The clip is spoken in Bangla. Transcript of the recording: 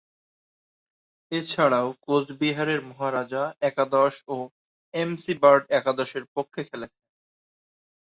এছাড়াও, কোচবিহারের মহারাজা একাদশ ও এমসি বার্ড একাদশের পক্ষে খেলেছেন।